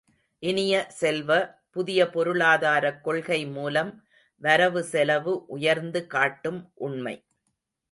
இனிய செல்வ, புதிய பொருளாதாரக் கொள்கை மூலம் வரவு செலவு உயர்ந்து காட்டும் உண்மை.